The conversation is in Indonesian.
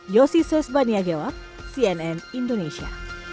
yosi sos baniagewa cnn indonesia